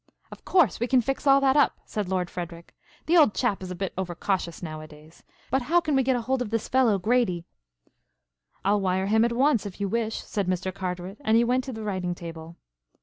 "Of course we can fix all that up," said Lord Frederic. "The old chap is a bit over cautious nowadays, but how can we get hold of this fellow Grady?" "I'll wire him at once, if you wish," said Mr. Carteret, and he went to the writing table.